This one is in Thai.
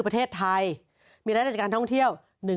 ๔ประเทศไทย